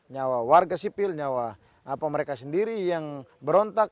nyawa warga sipil nyawa mereka sendiri yang berontak